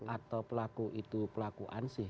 atau pelaku itu pelaku ansih